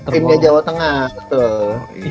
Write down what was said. tim yang jawa tengah betul